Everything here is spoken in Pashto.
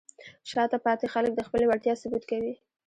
شاته پاتې خلک د خپلې وړتیا ثبوت کوي.